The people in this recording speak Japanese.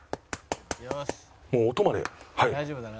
もう音まではい。